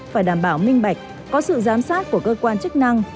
phải đảm bảo minh bạch có sự giám sát của cơ quan chức năng